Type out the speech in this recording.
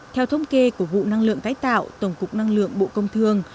theo thông kê của vụ năng lượng tái tạo tổng cục năng lượng bộ công thương